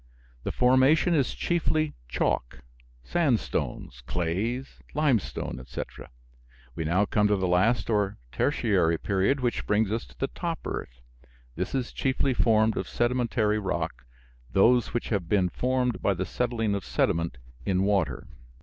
The formation is chiefly chalk, sandstones, clays, limestone, etc. We now come to the last or "Tertiary" period, which brings us to the top earth. This is chiefly formed of sedimentary rocks those which have been formed by the settling of sediment, in water.